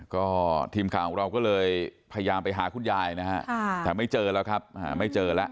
ก็ทีมข่าวของเราก็เลยพยายามไปหาคุณยายนะฮะแต่ไม่เจอแล้วครับไม่เจอแล้ว